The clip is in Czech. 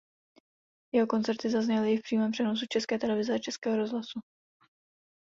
Jeho koncerty zazněly i v přímém přenosu České televize a Českého rozhlasu.